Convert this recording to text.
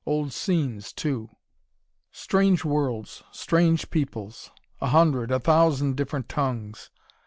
Old scenes, too. Strange worlds, strange peoples. A hundred, a thousand different tongues.